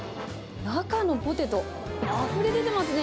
中のポテト、あふれ出てますね。